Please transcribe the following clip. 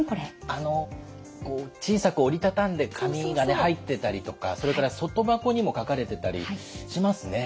あの小さく折り畳んで紙がね入ってたりとかそれから外箱にも書かれてたりしますね。